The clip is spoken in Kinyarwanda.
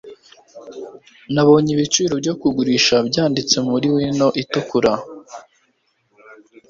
Nabonye ibiciro byo kugurisha byanditse muri wino itukura.